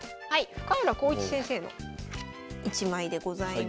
深浦康市先生の一枚でございます。